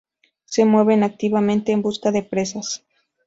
Se mueven activamente en busca de presas.